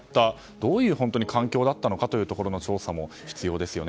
どういう環境だったのかというところの調査も必要ですよね。